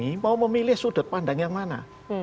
ini mau memilih sudut pandang yang mana